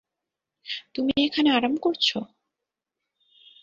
তুমি এখানে আরাম করছ!